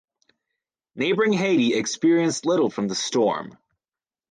Neighboring Haiti experienced little from the storm.